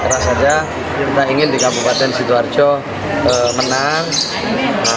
keras saja kita ingin di kabupaten sidoarjo menang